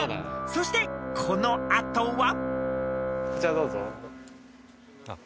［そしてこの後は］